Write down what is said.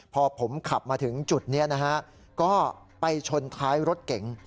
พอผมขับมาถึงจุดนี้นะฮะก็ไปชนท้ายรถเก๋ง